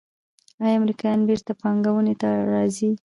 آیا امریکایان بیرته پانګونې ته راځí؟